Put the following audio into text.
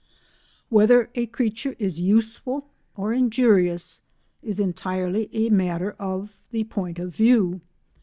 Whether a creature is useful or injurious is entirely a matter of the point of view.